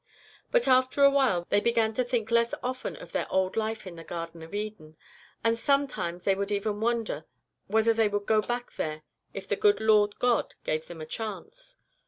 But after a while they began to think less often of their old life in the Garden of Eden, and sometimes they would even wonder whether they would go back there if the good Lord God gave them the chance.